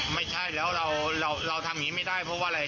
ไม่ใช่แล้วเราทำอย่างนี้ไม่ได้เพราะว่าอะไร